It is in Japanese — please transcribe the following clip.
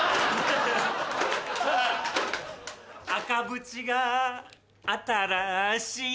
赤縁が新しい